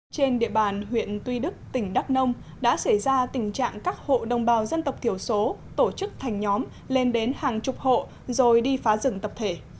trên địa bàn huyện tuy đức tỉnh đắk nông đã xảy ra tình trạng các hộ đồng bào dân tộc thiểu số tổ chức thành nhóm lên đến hàng chục hộ rồi đi phá rừng tập thể